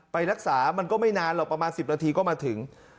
ไปรักษามันก็ไม่นานหรอกประมาณ๑๐นาทีก็มาถึง